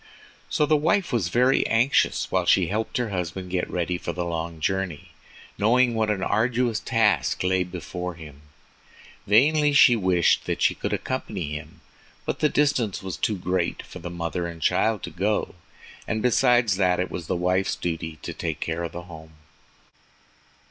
So the wife was very anxious while she helped her husband get ready for the long journey, knowing what an arduous task lay before him. Vainly she wished that she could accompany him, but the distance was too great for the mother and child to go, and besides that, it was the wife's duty to take care of the home.